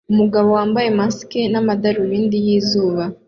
Umugabo wambaye mask n'amadarubindi y'izuba